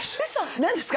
何ですか？